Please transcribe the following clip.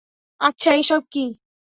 আচ্ছা --- এসব কী?